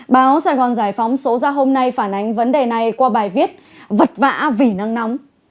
báo sài gòn giải phóng số ra hôm nay phản ánh vấn đề này qua bài viết vật vã vì nắng nóng